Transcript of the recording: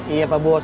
iya pak bos